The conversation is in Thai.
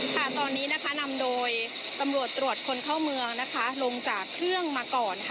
ค่ะตอนนี้นะคะนำโดยตำรวจตรวจคนเข้าเมืองนะคะลงจากเครื่องมาก่อนค่ะ